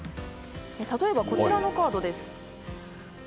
例えば、こちらのカード。